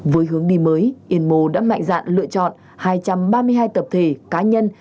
với hướng đi mới yên mô đã mạnh dạn lựa chọn hai trăm ba mươi hai tập thể cá nhân